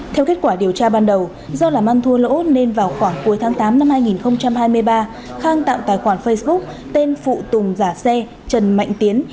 theo kết quả điều tra ban đầu do làm ăn thua lỗ nên vào khoảng cuối tháng tám năm hai nghìn hai mươi ba khang tạo tài khoản facebook tên phụ tùng giả xe trần mạnh tiến